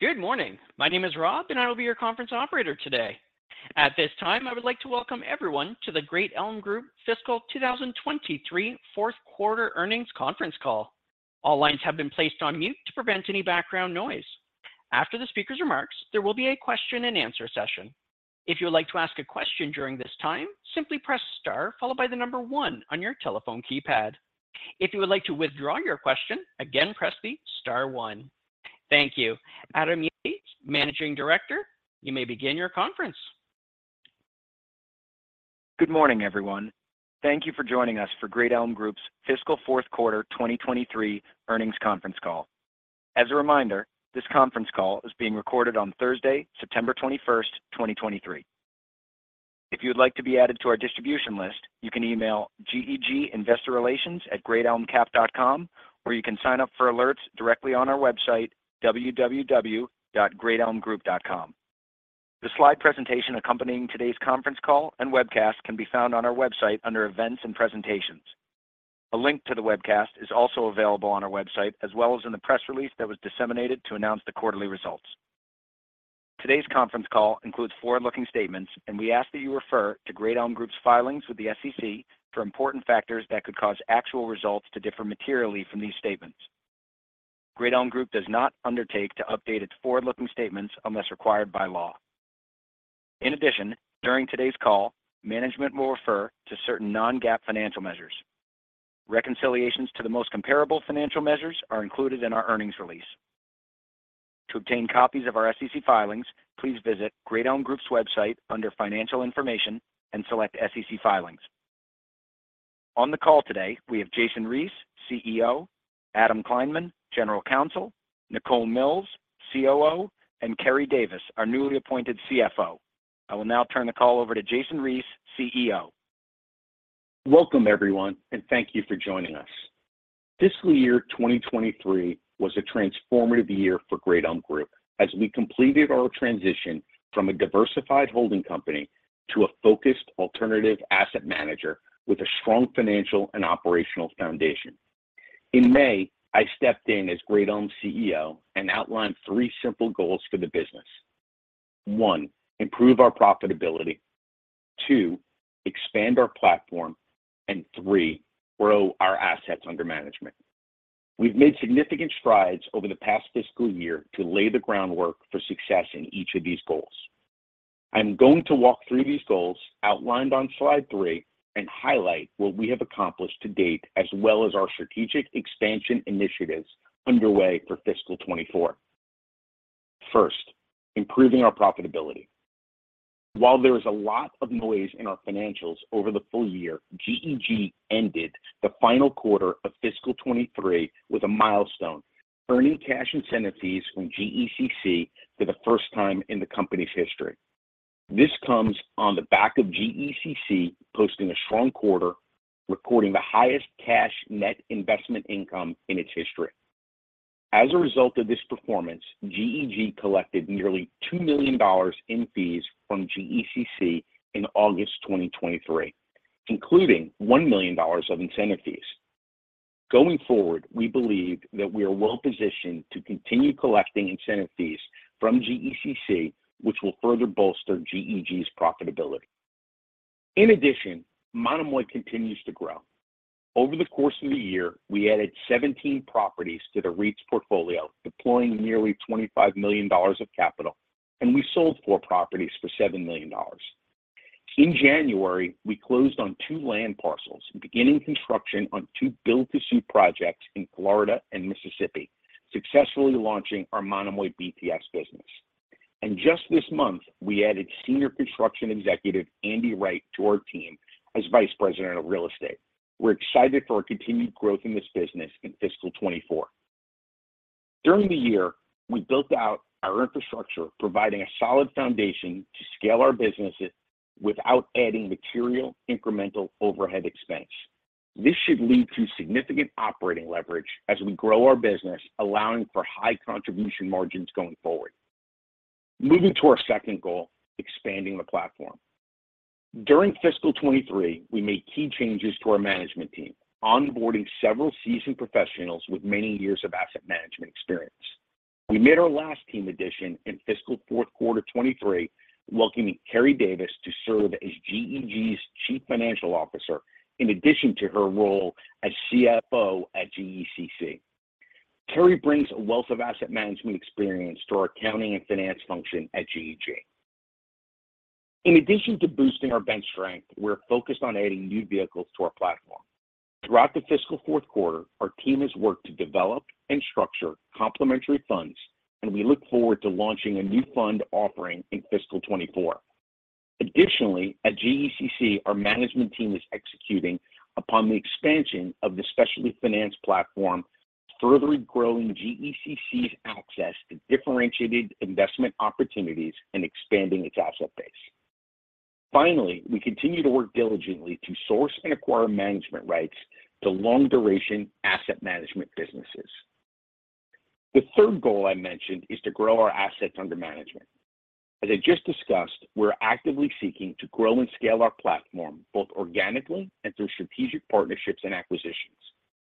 Good morning. My name is Rob, and I will be your conference operator today. At this time, I would like to welcome everyone to the Great Elm Group fiscal 2023 fourth quarter earnings conference call. All lines have been placed on mute to prevent any background noise. After the speaker's remarks, there will be a question and answer session. If you would like to ask a question during this time, simply press star followed by the number one on your telephone keypad. If you would like to withdraw your question, again, press the star one. Thank you. Adam Yates, Managing Director, you may begin your conference. Good morning, everyone. Thank you for joining us for Great Elm Group's fiscal 2023 fourth quarter earnings conference call. As a reminder, this conference call is being recorded on Thursday, September 21st, 2023. If you'd like to be added to our distribution list, you can email GEG investor relations at greatelmcap.com, or you can sign up for alerts directly on our website, www.greatelmgroup.com. The slide presentation accompanying today's conference call and webcast can be found on our website under Events and Presentations. A link to the webcast is also available on our website, as well as in the press release that was disseminated to announce the quarterly results. Today's conference call includes forward-looking statements, and we ask that you refer to Great Elm Group's filings with the SEC for important factors that could cause actual results to differ materially from these statements. Great Elm Group does not undertake to update its forward-looking statements unless required by law. In addition, during today's call, management will refer to certain non-GAAP financial measures. Reconciliations to the most comparable financial measures are included in our earnings release. To obtain copies of our SEC filings, please visit Great Elm Group's website under Financial Information and select SEC Filings. On the call today, we have Jason Reese, CEO, Adam Kleinman, General Counsel, Nicole Mills, COO, and Keri Davis, our newly appointed CFO. I will now turn the call over to Jason Reese, CEO. Welcome everyone, and thank you for joining us. Fiscal year 2023 was a transformative year for Great Elm Group as we completed our transition from a diversified holding company to a focused alternative asset manager with a strong financial and operational foundation. In May, I stepped in as Great Elm CEO and outlined three simple goals for the business. One, improve our profitability. Two, expand our platform. And three, grow our assets under management. We've made significant strides over the past fiscal year to lay the groundwork for success in each of these goals. I'm going to walk through these goals outlined on slide three and highlight what we have accomplished to date, as well as our strategic expansion initiatives underway for fiscal 2024. First, improving our profitability. While there is a lot of noise in our financials over the full year, GEG ended the final quarter of fiscal 2023 with a milestone, earning cash incentive fees from GECC for the first time in the company's history. This comes on the back of GECC posting a strong quarter, recording the highest cash net investment income in its history. As a result of this performance, GEG collected nearly $2 million in fees from GECC in August 2023, including $1 million of incentive fees. Going forward, we believe that we are well-positioned to continue collecting incentive fees from GECC, which will further bolster GEG's profitability. In addition, Monomoy continues to grow. Over the course of the year, we added 17 properties to the REIT's portfolio, deploying nearly $25 million of capital, and we sold four properties for $7 million. In January, we closed on two land parcels, beginning construction on two build-to-suit projects in Florida and Mississippi, successfully launching our Monomoy BTS business. Just this month, we added Senior Construction Executive, Andy Wright, to our team as Vice President of Real Estate. We're excited for our continued growth in this business in fiscal 2024. During the year, we built out our infrastructure, providing a solid foundation to scale our businesses without adding material incremental overhead expense. This should lead to significant operating leverage as we grow our business, allowing for high contribution margins going forward. Moving to our second goal, expanding the platform. During fiscal 2023, we made key changes to our management team, onboarding several seasoned professionals with many years of asset management experience. We made our last team addition in fiscal fourth quarter 2023, welcoming Keri Davis to serve as GEG's Chief Financial Officer, in addition to her role as CFO at GECC. Keri brings a wealth of asset management experience to our accounting and finance function at GEG. In addition to boosting our bench strength, we're focused on adding new vehicles to our platform. Throughout the fiscal fourth quarter, our team has worked to develop and structure complementary funds, and we look forward to launching a new fund offering in fiscal 2024. Additionally, at GECC, our management team is executing upon the expansion of the specialty finance platform, further growing GECC's access to differentiated investment opportunities and expanding its asset base. Finally, we continue to work diligently to source and acquire management rights to long-duration asset management businesses. The third goal I mentioned is to grow our assets under management. As I just discussed, we're actively seeking to grow and scale our platform, both organically and through strategic partnerships and acquisitions.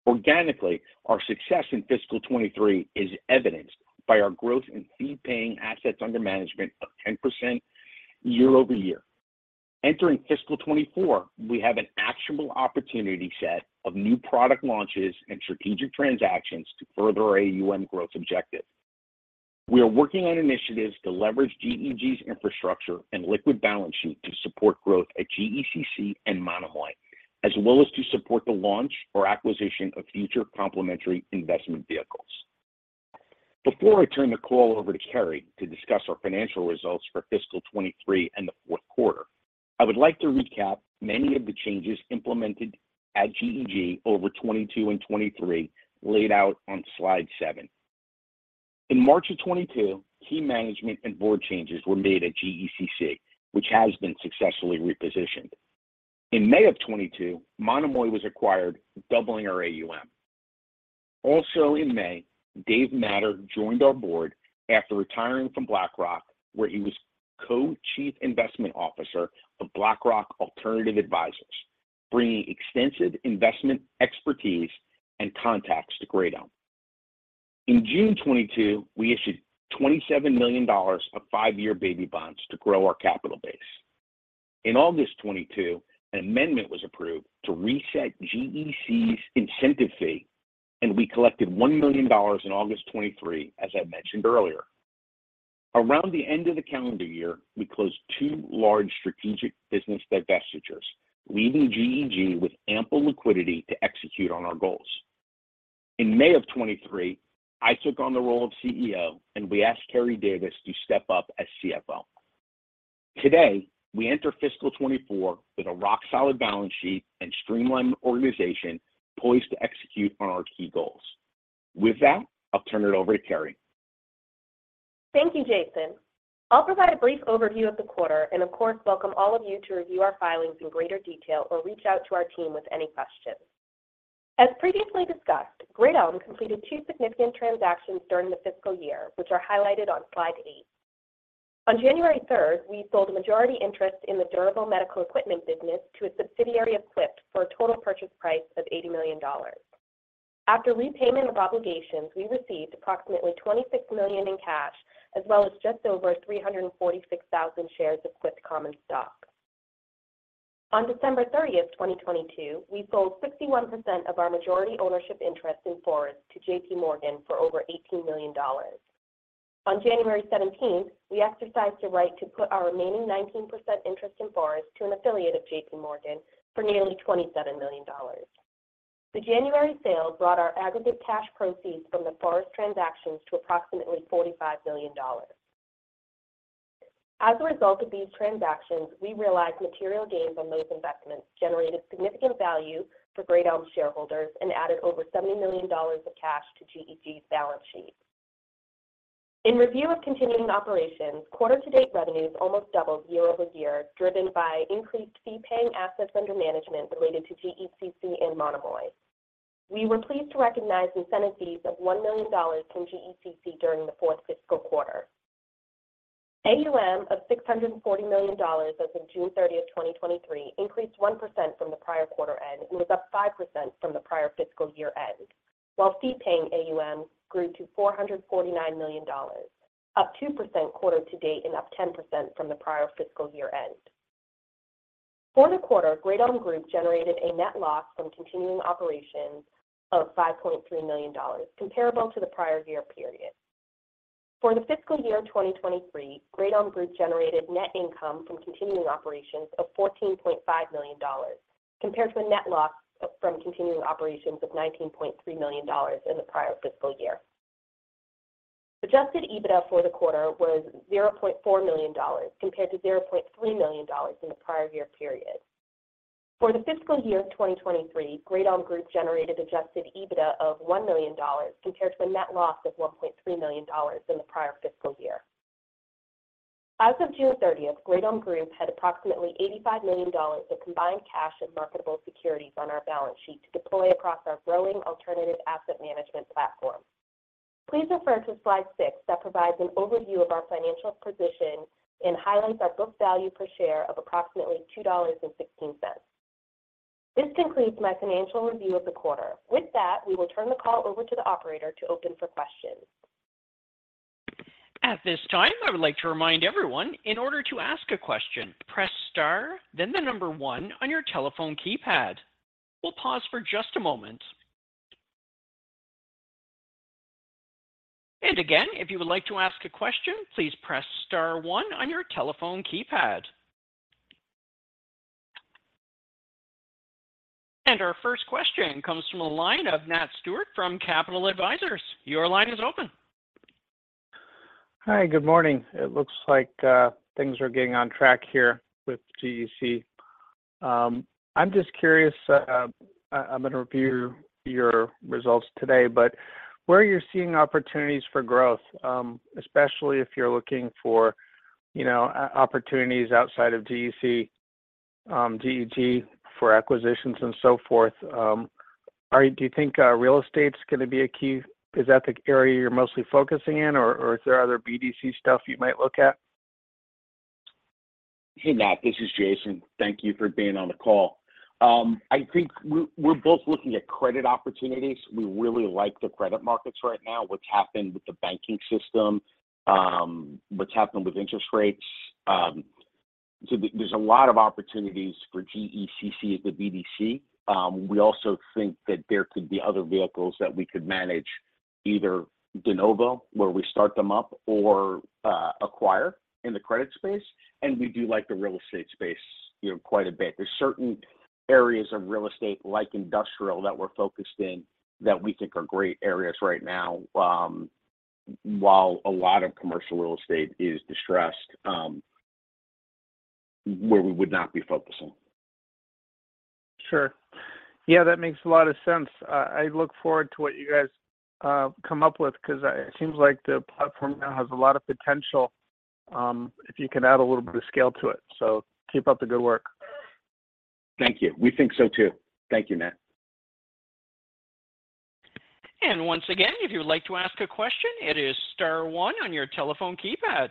Organically, our success in fiscal 2023 is evidenced by our growth in fee-paying assets under management of 10% year-over-year. Entering fiscal 2024, we have an actionable opportunity set of new product launches and strategic transactions to further our AUM growth objective. We are working on initiatives to leverage GEG's infrastructure and liquid balance sheet to support growth at GECC and Monomoy, as well as to support the launch or acquisition of future complementary investment vehicles. Before I turn the call over to Keri to discuss our financial results for fiscal 2023 and the fourth quarter, I would like to recap many of the changes implemented at GEG over 2022 and 2023, laid out on slide seven. In March of 2022, key management and board changes were made at GECC, which has been successfully repositioned. In May of 2022, Monomoy was acquired, doubling our AUM. Also in May, David Matter joined our board after retiring from BlackRock, where he was co-chief investment officer of BlackRock Alternative Advisors, bringing extensive investment expertise and contacts to Great Elm. In June 2022, we issued $27 million of five-year baby bonds to grow our capital base. In August 2022, an amendment was approved to reset GECC's incentive fee, and we collected $1 million in August 2023, as I mentioned earlier. Around the end of the calendar year, we closed two large strategic business divestitures, leaving GEG with ample liquidity to execute on our goals. In May of 2023, I took on the role of CEO, and we asked Keri Davis to step up as CFO. Today, we enter fiscal 2024 with a rock-solid balance sheet and streamlined organization poised to execute on our key goals. With that, I'll turn it over to Keri. Thank you, Jason. I'll provide a brief overview of the quarter, and of course, welcome all of you to review our filings in greater detail or reach out to our team with any questions. As previously discussed, Great Elm completed two significant transactions during the fiscal year, which are highlighted on slide 8. On January 3, we sold a majority interest in the durable medical equipment business to a subsidiary of Quipt for a total purchase price of $80 million. After repayment of obligations, we received approximately $26 million in cash, as well as just over 346,000 shares of Quipt common stock. On December 30, 2022, we sold 61% of our majority ownership interest in Forest to JPMorgan for over $18 million. On January seventeenth, we exercised the right to put our remaining 19% interest in Forest to an affiliate of JPMorgan for nearly $27 million. The January sale brought our aggregate cash proceeds from the Forest transactions to approximately $45 million. As a result of these transactions, we realized material gains on those investments, generated significant value for Great Elm shareholders, and added over $70 million of cash to GEG's balance sheet. In review of continuing operations, quarter-to-date revenues almost doubled year-over-year, driven by increased fee-paying assets under management related to GECC and Monomoy. We were pleased to recognize incentive fees of $1 million from GECC during the fourth fiscal quarter. AUM of $640 million, as of June 30, 2023, increased 1% from the prior quarter end and was up 5% from the prior fiscal year end, while fee-paying AUM grew to $449 million, up 2% quarter to date and up 10% from the prior fiscal year end. For the quarter, Great Elm Group generated a net loss from continuing operations of $5.3 million, comparable to the prior year period. For the fiscal year 2023, Great Elm Group generated net income from continuing operations of $14.5 million, compared to a net loss from continuing operations of $19.3 million in the prior fiscal year. Adjusted EBITDA for the quarter was $0.4 million, compared to $0.3 million in the prior year period. For the fiscal year 2023, Great Elm Group generated Adjusted EBITDA of $1 million, compared to a net loss of $1.3 million in the prior fiscal year. As of June 30, Great Elm Group had approximately $85 million of combined cash and marketable securities on our balance sheet to deploy across our growing alternative asset management platform. Please refer to slide six that provides an overview of our financial position and highlights our book value per share of approximately $2.16. This concludes my financial review of the quarter. With that, we will turn the call over to the operator to open for questions. At this time, I would like to remind everyone, in order to ask a question, press star, then the number one on your telephone keypad. We'll pause for just a moment. And again, if you would like to ask a question, please press star one on your telephone keypad. And our first question comes from the line of Nat Stewart from Capital Advisors. Your line is open. Hi, good morning. It looks like things are getting on track here with GECC. I'm just curious. I'm going to review your results today, but where are you seeing opportunities for growth? Especially if you're looking for, you know, opportunities outside of GECC, GEG, for acquisitions and so forth. Do you think real estate is gonna be a key? Is that the area you're mostly focusing in, or is there other BDC stuff you might look at? Hey, Nat, this is Jason. Thank you for being on the call. I think we're both looking at credit opportunities. We really like the credit markets right now, what's happened with the banking system, what's happened with interest rates. So there's a lot of opportunities for GECC as a BDC. We also think that there could be other vehicles that we could manage, either de novo, where we start them up, or, acquire in the credit space. And we do like the real estate space, you know, quite a bit. There's certain areas of real estate, like industrial, that we're focused in, that we think are great areas right now, while a lot of commercial real estate is distressed, where we would not be focusing. Sure. Yeah, that makes a lot of sense. I look forward to what you guys come up with, because it seems like the platform now has a lot of potential, if you can add a little bit of scale to it. So keep up the good work. Thank you. We think so, too. Thank you, Nat. Once again, if you would like to ask a question, it is star one on your telephone keypad.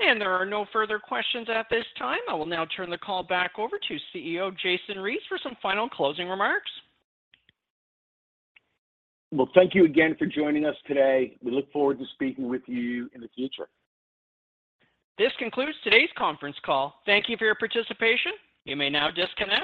There are no further questions at this time. I will now turn the call back over to CEO Jason Reese for some final closing remarks. Well, thank you again for joining us today. We look forward to speaking with you in the future. This concludes today's conference call. Thank you for your participation. You may now disconnect.